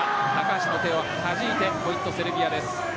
高橋の手をはじいてポイント、セルビアです。